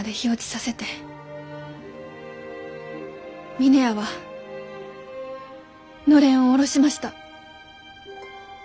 峰屋はのれんを下ろしました。